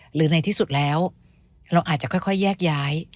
หรือในที่สุดแล้วเราอาจจะค่อยแยกย้าย